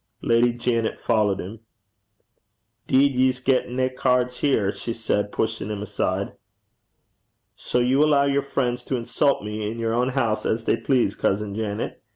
Lady Janet followed him. ''Deed ye s' get nae cairds here,' she said, pushing him aside. 'So you allow your friends to insult me in your own house as they please, cousin Janet?'